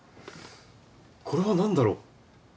これはなんだろう？